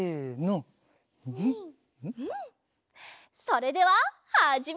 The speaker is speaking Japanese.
それでははじめい！